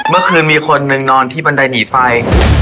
เมื่อคืนมีคนหนึ่งนอนที่บันไดหนีไฟ